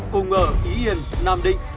cùng ở ý yên nam định